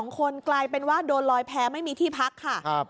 ๒คนกลายเป็นว่าโดนลอยแพ้ไม่มีที่พักค่ะ